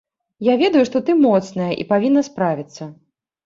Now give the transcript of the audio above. Я ведаю, што ты моцная і павінна справіцца.